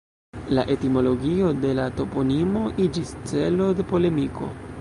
La etimologio de la toponimo iĝis celo de polemiko.